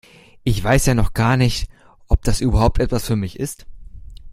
Ich weiß ja noch gar nicht, ob das überhaupt etwas für mich ist.